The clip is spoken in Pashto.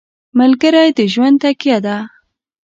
ملګری د ژوند تکیه ده.